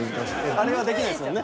あれはできないですもんね。